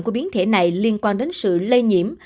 của biến thể này liên quan đến sự lây nhiễm